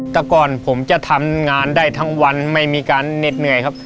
แต่ก่อนผมจะทำงานได้ทั้งวันไม่มีการเหน็ดเหนื่อยครับ